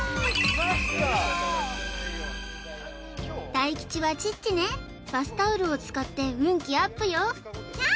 大吉はチッチねバスタオルを使って運気アップよ！